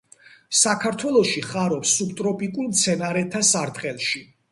საქართველოში ხარობს სუბტროპიკულ მცენარეთა სარტყელში.